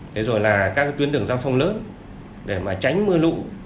thế rồi là các tuyến đường giao thông lớn để mà tránh mưa lũ